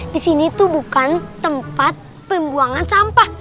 di sini itu bukan tempat pembuangan sampah